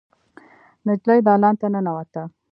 نجلۍ دالان ته ننوته.